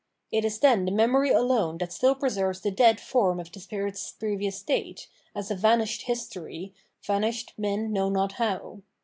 It is then the memory alone that still preserves the dead form of the spirit's previous state, as a vanished history, vanished men know not how.